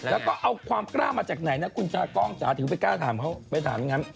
แล้วก็เอาความกล้ามาจากไหนนะคุณจากล้องจ๋าถือไปกล้าถามเขา